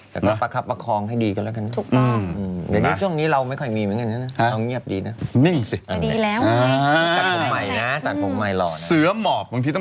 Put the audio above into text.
แต่ก็ประคับประคองให้ดีกันละกัน